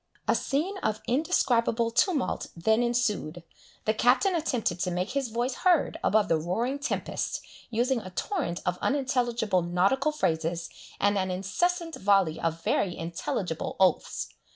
A scene of indescribable tumult then ensued. The Captain attempted to make his voice heard above the roaring tempest, using a torrent of unintelligible nautical phrases, and an incessant volley of very intelligible oaths.